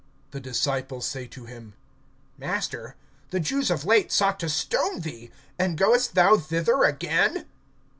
(8)The disciples say to him: Master, the Jews of late sought to stone thee; and goest thou thither again?